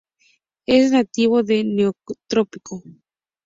Es nativo del Neotrópico.